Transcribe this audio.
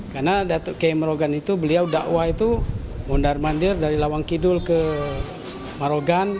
karena datuk kiai marogan itu beliau dakwah itu mondar mandir dari lawan kidul ke marogan